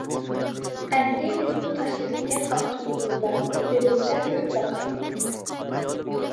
ئەمدى بىز بۇ تاشلىۋېتىلگەن ئاپتوموبىللارنى بىرلىكتە كۆرۈپ باقايلى!